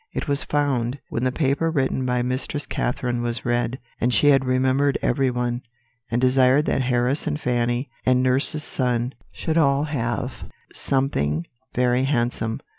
It was found, when the paper written by Mistress Catherine was read, that she had remembered everyone, and desired that Harris, and Fanny, and nurse's son, should all have something very handsome.